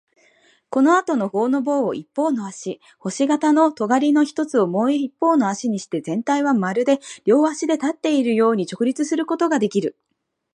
このあとのほうの棒を一方の足、星形のとがりの一つをもう一方の足にして、全体はまるで両足で立つように直立することができる。